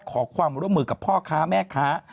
ขอความร่วมมือกับพ่อค้าแม่ค้า